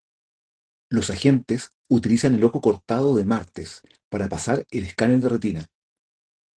Los agentes utilizan el ojo cortado de Martes para pasar el escáner de retina.